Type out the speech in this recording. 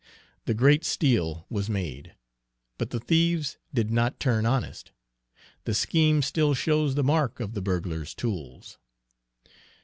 The great steal was made, but the thieves did not turn honest, the scheme still shows the mark of the burglar's tools.